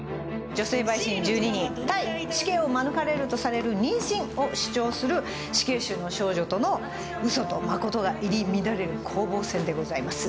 女性陪審１２人対死刑を免れるとされる妊娠を主張する、死刑囚の少女のうそと誠が入り乱れる攻防戦でございます。